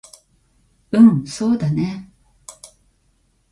うんそうだね